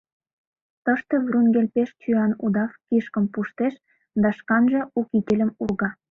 Тыште Врунгель пеш чоян удав кишкым пуштеш да шканже у кительым урга